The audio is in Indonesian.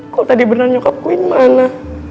kok tadi beneran nyokap gue gimana